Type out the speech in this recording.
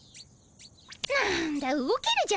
なんだ動けるじゃねえか。